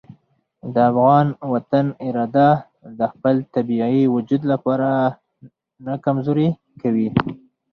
د افغان وطن اراده د خپل طبیعي وجود لپاره نه کمزورې کوي.